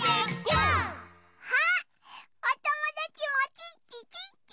あっおともだちもチッチチッチ！